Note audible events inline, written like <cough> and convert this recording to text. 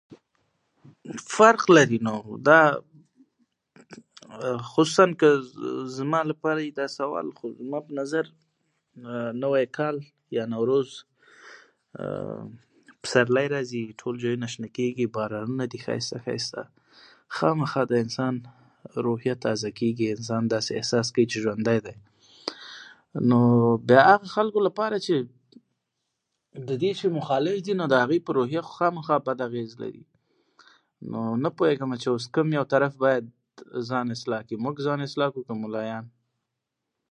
فرق لري نو، دا خصوصاً که زه <hesitation> دا پوښتنه... خو زما په نظر نوی کال یا نوروز، <hesitation> پسرلی راځي، ټول ځایونه شنه کېږي، بارانونه دي، ښایسته ښایسته، خامخا د انسان روحیه تازه کېږي. انسان داسې احساس کوي چې ژوند دی؛ نو د هغه خلکو لپاره چې د دې شي مخالف دي، د هغو په روحیه خو خامخا بده اغېزه لري. نو نه پوهېږمه چې کوم یو طرف باید ځان اصلاح کړي؟ موږ ځان اصلاح کړو که ملایان؟